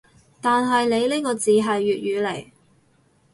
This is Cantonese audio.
但係你呢個字係粵語嚟